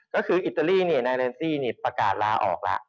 ก็คืออิตาลีนายเรนซี่นี่ประกาศลาออกแล้ว